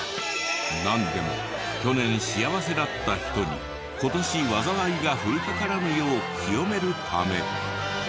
なんでも去年幸せだった人に今年災いが降りかからぬよう清めるため。